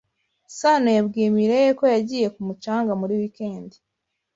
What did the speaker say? Sanoyabwiye Mirelle ko yagiye ku mucanga muri wikendi.